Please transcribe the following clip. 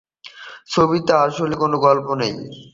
ছবিতে আসলে কোন গল্প নেই...